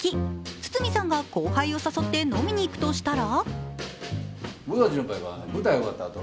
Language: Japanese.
堤さんが後輩を誘って飲みに行くとしたら？